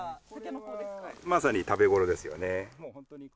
まさに食べごろですよね。